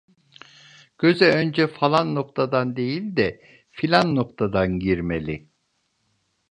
Göze önce falan noktadan değil de, filan noktadan girmeli.